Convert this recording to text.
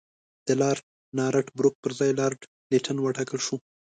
د لارډ نارت بروک پر ځای لارډ لیټن وټاکل شو.